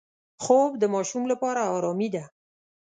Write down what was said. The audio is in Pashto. خوب د ماشوم لپاره آرامي ده